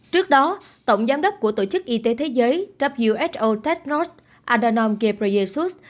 trước đó tổng giám đốc của tổ chức y tế thế giới who tech north adhanom ghebreyesus